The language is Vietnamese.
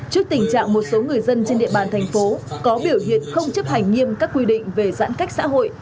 trước tình trạng một số người dân trên địa bàn thành phố có biểu hiện không chấp hành nghiêm các quy định về giãn cách xã hội